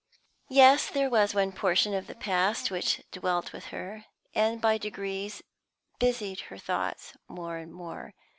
Yes, there was one portion of the past which dwelt with her, and by degrees busied her thoughts more and more.